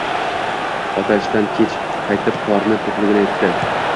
Ota ishdan kech qaytib, qorni to`qligini aytdi